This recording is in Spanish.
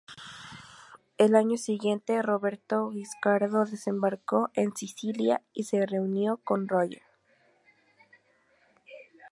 Al año siguiente, Roberto Guiscardo desembarcó en Sicilia y se reunió con Roger.